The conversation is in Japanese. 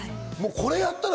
これやったら